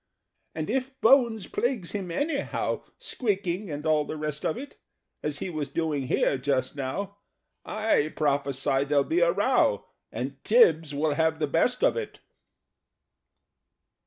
"And if Bones plagues him anyhow Squeaking and all the rest of it, As he was doing here just now I prophesy there'll be a row, And Tibbs will have the best of it!"